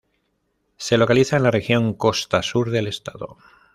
Se localiza en la Región Costa Sur del estado.